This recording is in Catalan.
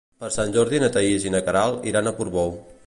Per Sant Jordi na Thaís i na Queralt iran a Portbou.